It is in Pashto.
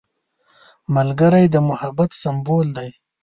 ملګری د محبت سمبول دی